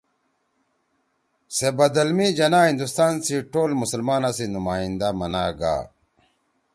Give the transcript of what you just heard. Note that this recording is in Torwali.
سے بدَل می جناح ہندوستان سی ٹول مسلمانا سی نمائندہ مناگا